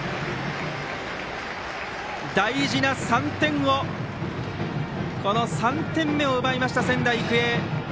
大事な３点目を奪いました仙台育英。